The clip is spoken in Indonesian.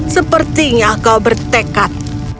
sepertinya kau bertekad